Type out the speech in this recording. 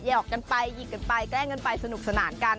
หอกกันไปหยิกกันไปแกล้งกันไปสนุกสนานกัน